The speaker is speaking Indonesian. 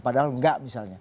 padahal enggak misalnya